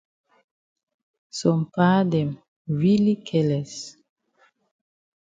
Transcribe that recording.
Some pa dem really careless.